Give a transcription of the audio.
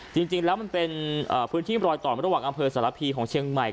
จริงแล้วมันเป็นพื้นที่รอยต่อระหว่างอำเภอสารพีของเชียงใหม่